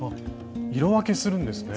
色分けするんですね。